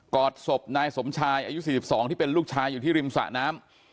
อดศพนายสมชายอายุ๔๒ที่เป็นลูกชายอยู่ที่ริมสะน้ำ